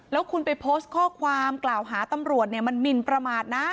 แล้วคุณไปโพสต์ข้อความกล่าวหาตำรวจเนี่ยมันหมินประมาทนะ